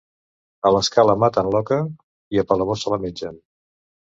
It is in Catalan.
A l'Escala maten l'oca i a Palamós se la mengen.